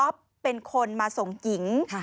อ๊อปเป็นคนมาส่งหญิง